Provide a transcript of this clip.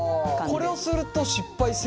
これをすると失敗せずに？